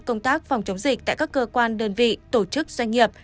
công tác phòng chống dịch tại các cơ quan đơn vị tổ chức doanh nghiệp